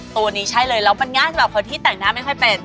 ตัวนี้ใช่เลยแล้วมันง่ายสำหรับคนที่แต่งหน้าไม่ค่อยเป็น